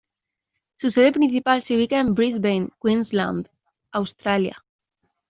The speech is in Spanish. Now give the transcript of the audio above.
Su sede principal se ubica en Brisbane Queensland, Australia.